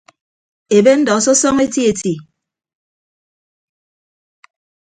Ebe ndọ sọsọñọ eti eti.